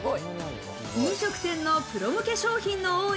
飲食店のプロ向け商品の多い